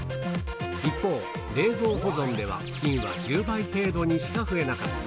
一方、冷蔵保存では菌は１０倍程度にしか増えなかった。